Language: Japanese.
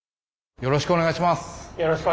よろしくお願いします。